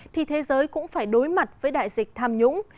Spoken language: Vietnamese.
thì thế giới cũng phải đối mặt với đại dịch tham nhũng